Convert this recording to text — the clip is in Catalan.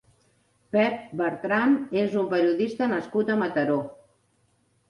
Pep Bertran és un periodista nascut a Mataró.